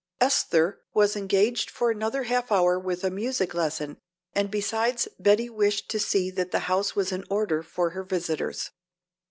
Esther was engaged for another half hour with a music lesson and besides Betty wished to see that the house was in order for her visitors.